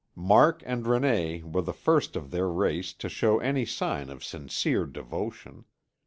Mark and René were the first of their race to show any sign of sincere devotion.